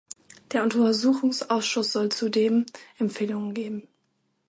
Der Untersuchungsausschuss soll zudem Empfehlungen geben.